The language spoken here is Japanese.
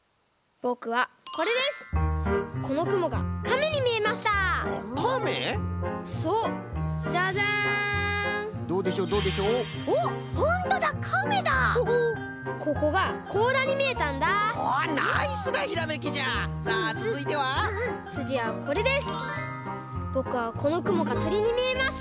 ぼくはこのくもがとりにみえました。